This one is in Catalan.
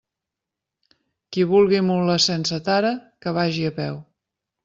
Qui vulgui mula sense tara, que vagi a peu.